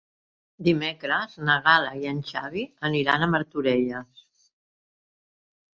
Dimecres na Gal·la i en Xavi aniran a Martorelles.